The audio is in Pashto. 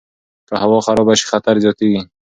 که هوا خرابه شي، خطر زیاتیږي.